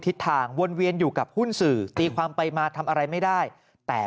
ทิศทางวนเวียนอยู่กับหุ้นสื่อตีความไปมาทำอะไรไม่ได้แต่